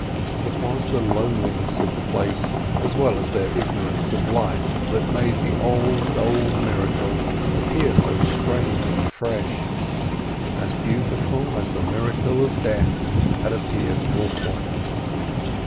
It was the loneliness of the place as well as their ignorance of life that made the old, old miracle appear so strange and fresh—as beautiful as the miracle of death had appeared awful.